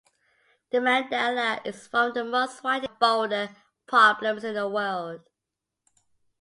"The Mandala" is one of the most widely known boulder problems in the world.